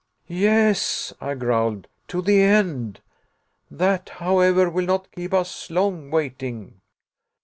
"Yes," I growled, "to the end. That, however, will not keep us long waiting."